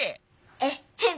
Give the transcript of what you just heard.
えっへん！